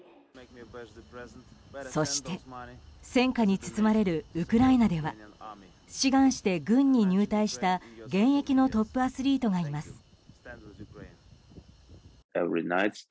そして、戦火に包まれるウクライナでは志願して軍に入隊した現役のトップアスリートがいます。